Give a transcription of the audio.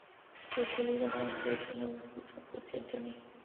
Greg Dulli, the band's lead singer, was close friends with Ted Demme.